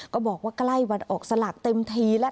บอกว่าใกล้วันออกสลากเต็มทีแล้ว